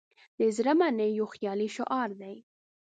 "د زړه منئ" یو خیالي شعار دی.